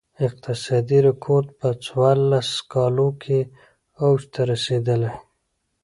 اقتصادي رکود په څوارلس کالو کې اوج ته رسېدلی.